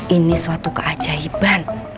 ini suatu keajaiban